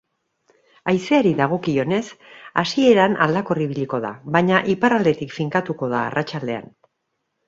Haizeari dagokionez, hasieran aldakor ibiliko da, baina iparraldetik finkatuko da arratsaldean.